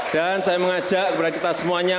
dan saya mengajak kepada kita semuanya